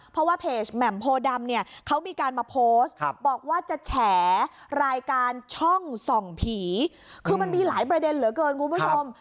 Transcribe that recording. เพราะว่าเพจแหม่มโพดำเนี่ยเขามีการมาโพสต์บอกว่าจะแฉรายการช่องส่องผีคือมันมีหลายประเด็นเหลือเกินคุณผู้ชม